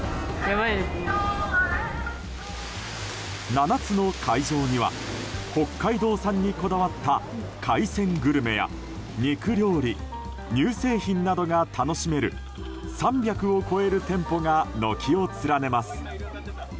７つの会場には北海道産にこだわった海鮮グルメや肉料理乳製品などが楽しめる３００を超える店舗が軒を連ねます。